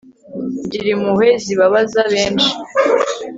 Gira impuhwe zibabaza benshi